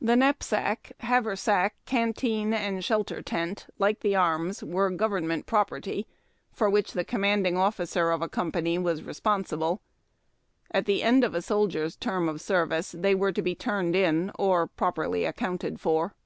The knaj)sack, haversack, canteen, and shelter tent, like the arms, were government property, for which the com 320 HARD TACK AND COFFEE. niaiiding officer of a company was responsible. At the end of a soldier's term of service, they were to be turned in or properly accounted for.